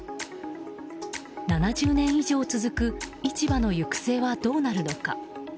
７０年以上続く市場の行く末はどうなるのか。